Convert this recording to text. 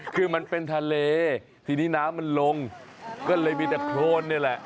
คือมันเป็นทะเลทีนี้น้ำมันลงก็เลยมีแต่โครนนี่แหละ